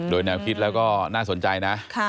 โดยแนวคิดแล้วก็น่าสนใจนะ